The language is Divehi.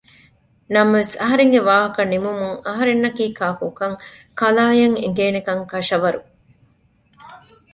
ނަމަވެސް އަހަރެންގެ ވާހަކަ ނިމުމުން އަހަރެންނަކީ ކާކު ކަން ކަލާއަށް އެނގޭނެކަން ކަށަވަރު